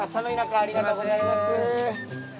ありがとうございます。